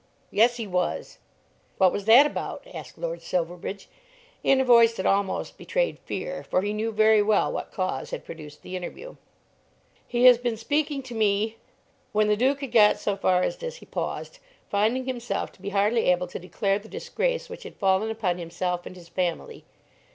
"Yes, he was." "What was that about?" asked Lord Silverbridge, in a voice that almost betrayed fear, for he knew very well what cause had produced the interview. "He has been speaking to me " When the Duke had got so far as this he paused, finding himself to be hardly able to declare the disgrace which had fallen upon himself and his family.